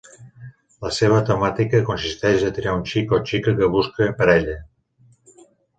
La seua temàtica consisteix a triar un xic o xica que busque parella.